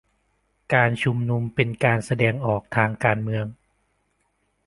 การชุมนุมเป็นการแสดงออกทางการเมือง